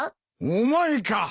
お前か。